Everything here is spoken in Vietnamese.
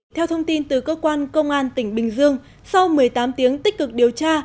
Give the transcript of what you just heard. theo thông tin từ cơ quan công an tỉnh bình dương sau một mươi tám tiếng tích cực điều tra